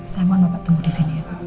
saya mohon bapak tunggu di sini ya pak